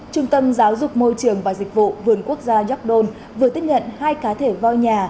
trung tâm giáo dục môi trường và dịch vụ vườn quốc gia york dome vừa tiết ngận hai cá thể voi nhà